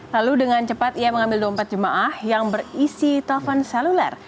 lalu dengan cepat ia mengambil dompet jemaah yang berisi telpon seluler